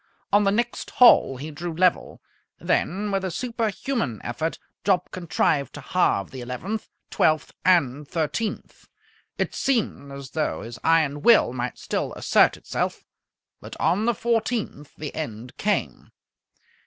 On the next hole he drew level. Then with a superhuman effort Jopp contrived to halve the eleventh, twelfth, and thirteenth. It seemed as though his iron will might still assert itself, but on the fourteenth the end came.